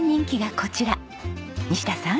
西田さん